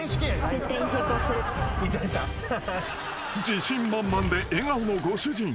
［自信満々で笑顔のご主人。